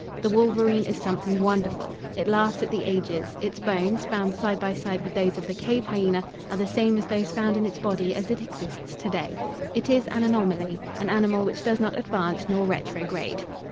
The wolverine is something wonderful; it laughs at the ages; its bones, found side by side with those of the cave hyena, are the same as those found in its body as it exists to day. It is an anomaly, an animal which does not advance nor retrograde.